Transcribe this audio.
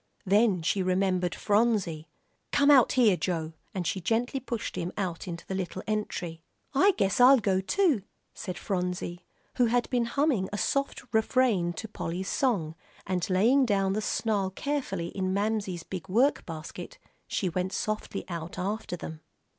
Then she remembered Phronsie. "Come out here, Joe," and she gently pushed him out into the little entry. "I guess I'll go, too," said Phronsie, who had been humming a soft refrain to Polly's song, and laying down the snarl carefully in Mamsie's big work basket she went softly out after them.